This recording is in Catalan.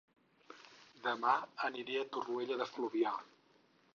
Dema aniré a Torroella de Fluvià